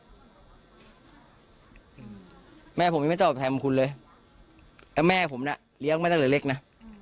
อืมแม่ผมยังไม่ต้องอภัยบังคุณเลยแต่แม่ผมน่ะเลี้ยงไม่ต้องเหลือเล็กน่ะ